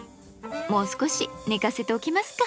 もう少し寝かせておきますか。